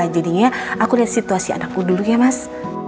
jadinya aku lihat situasi anakku dulu ya mas